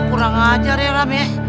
kurang ajar ya ram ya